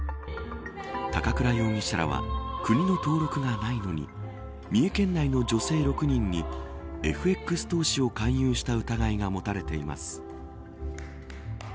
高倉容疑者らは国の登録がないのに三重県内の女性６人にＦＸ投資を勧誘した疑いが持たれています。